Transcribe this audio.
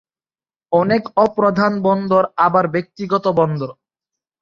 অনেক অপ্রধান বন্দর আবার ব্যক্তিগত বন্দর।